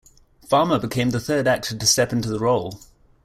Farmer became the third actor to step into the role.